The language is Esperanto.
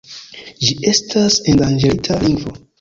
Ĝi estas endanĝerita lingvo.